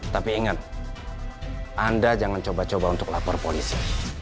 tapi ingat anda jangan coba coba untuk lapor polisi